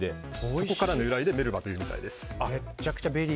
そこからの由来でメルバというみたいです。